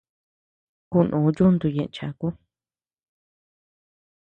Kunuu yuntu ñëʼe chaku.